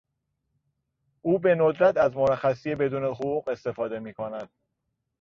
او به ندرت از مرخصی بدون حقوق استفاده میکند.